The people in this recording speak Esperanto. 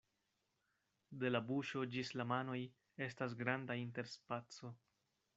De la buŝo ĝis la manoj estas granda interspaco.